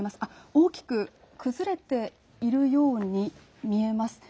大きく崩れているように見えます。